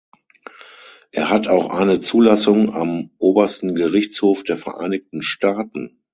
Er hat auch eine Zulassung am Obersten Gerichtshof der Vereinigten Staaten.